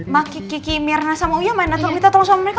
mbak kiki mirna sama uya minta tolong sama mereka